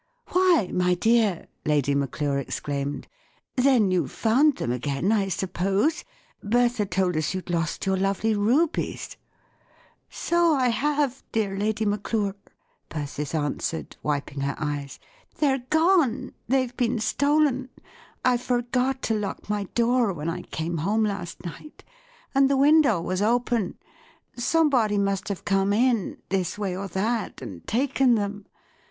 " Why, my dear !" Lady Maclure exclaimed, " then you've found them again, I suppose ? Bertha told us you'd lost your lovely rubies !"" So I have, dear Lady Maclure," Persis answered, wiping her eyes; " they're gone. They've been stolen. I forgot to lock my door when I came home last night, and the window was open; some¬ body must have come in, this way or that, and taken them.